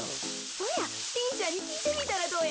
そやリンちゃんにきいてみたらどや？